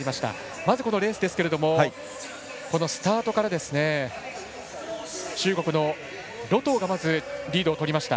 まずこのレースですけれどもスタートから中国の盧冬がまずリードを取りました。